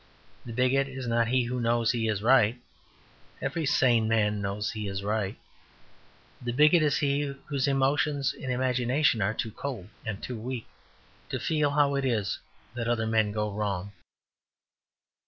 The bigot is not he who knows he is right; every sane man knows he is right. The bigot is he whose emotions and imagination are too cold and weak to feel how it is that other men go wrong.